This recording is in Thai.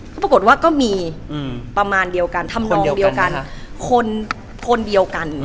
ปรากฎว่าก็มีเข้าความชอบของทุกคนควรเดียวกัน